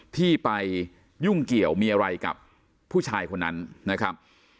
ที่ไปยุ่งเกี่ยวมีอะไรกับผู้ชายคนนั้นนะครับ